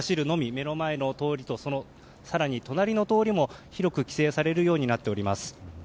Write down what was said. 目の前の通りとその更に隣の通りも広く規制されるようになっています。